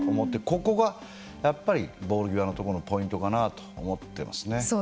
ここがやっぱりボール際のとこのポイントかなと思っていますね。